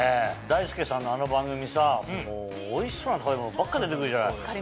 大輔さんのあの番組さおいしそうな食べ物ばっか出て来るじゃない。